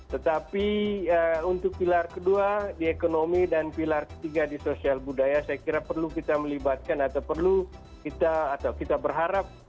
tetapi untuk pilar kedua di ekonomi dan pilar ketiga di sosial budaya saya kira perlu kita melibatkan atau perlu kita atau kita berharap